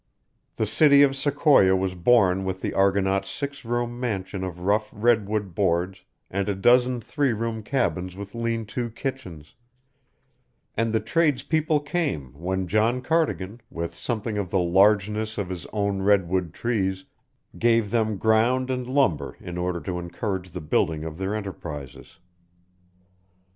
The city of Sequoia was born with the Argonaut's six room mansion of rough redwood boards and a dozen three room cabins with lean to kitchens; and the tradespeople came when John Cardigan, with something of the largeness of his own redwood trees, gave them ground and lumber in order to encourage the building of their enterprises.